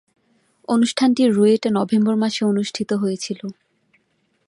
অনুষ্ঠানটি রুয়েটে নভেম্বর মাসে অনুষ্ঠিত হয়েছিলো।